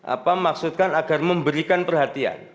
apa maksudkan agar memberikan perhatian